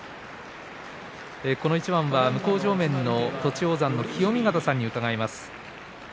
この一番は向正面の栃煌山の清見潟さんに伺います。